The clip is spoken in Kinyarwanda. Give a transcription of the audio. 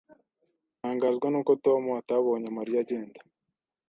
Ntangazwa nuko Tom atabonye Mariya agenda.